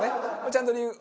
ちゃんと理由。